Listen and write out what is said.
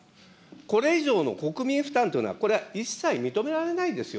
これ以上の国民負担というのは、これは一切認められないですよ。